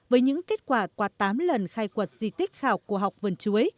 với những kết quả qua tám lần khai quật di tích khảo cổ học vườn chuối